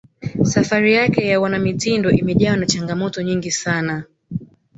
safari yake ya uanamitindo imejawa na changamoto nyingi sana